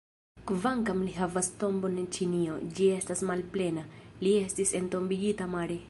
Kvankam li havas tombon en Ĉinio, ĝi estas malplena: li estis entombigita mare.